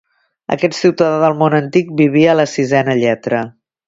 Aquest ciutadà del món antic vivia a la sisena lletra.